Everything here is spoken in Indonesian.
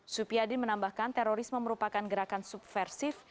supiadi menambahkan terorisme merupakan gerakan subversif